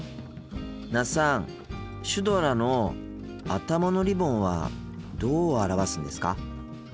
那須さんシュドラの頭のリボンはどう表すんですか？